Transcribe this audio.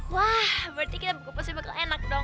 wah berarti kita buka puasa bakal enak dong